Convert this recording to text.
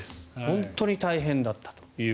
本当に大変だったと。